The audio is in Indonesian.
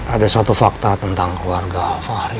ada satu fakta tentang keluarga fahri